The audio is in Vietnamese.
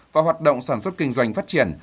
và hoạt động sản xuất kinh doanh phát triển